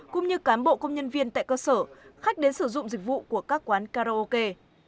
cũng như cán bộ công nhân viên tại cơ sở khách đến sử dụng dịch vụ của các quán karaoke